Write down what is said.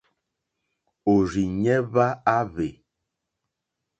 Òrzìɲɛ́ hwá áhwè.